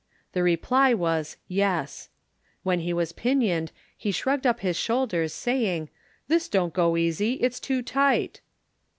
The reply was "Yes." When he was pinioned he shrugged up his shoulders, saying "This don't go easy; it's too tight."